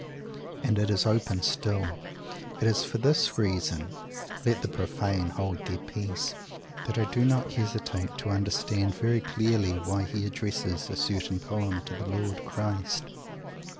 _ And it is open still. It is for this reason let the profane hold their peace! that I do not hesitate to understand very clearly why he addresses a certain poem to the Lord Christ!